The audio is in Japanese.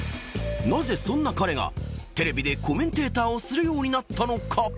なぜそんな彼がテレビでコメンテーターをするようになったのか？